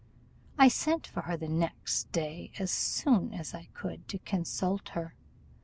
I sent for her the next day, as soon as I could, to consult her.